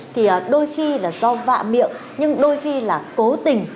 thì đôi khi là do vạ miệng nhưng đôi khi là cố tình